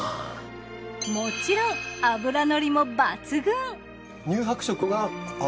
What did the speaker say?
もちろん脂乗りも抜群！